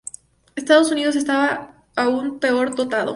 Estados Unidos estaba aún peor dotado.